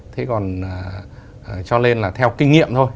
thế còn cho lên là theo kinh nghiệm thôi